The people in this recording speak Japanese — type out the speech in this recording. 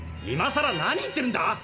今さら何言ってるんだ